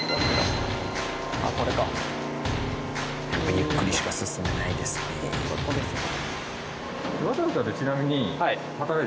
ゆっくりしか進めないですよね。